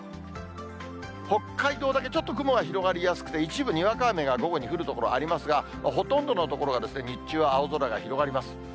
北海道だけちょっと雲が広がりやすくて、一部にわか雨が午後に降る所ありますが、ほとんどの所が日中は青空が広がります。